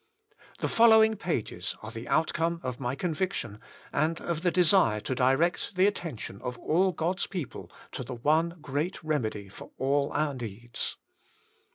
The following pages are the outcome of my conviction, and of the desire to direct the attention of all God's people to the one great remedy for all our needs.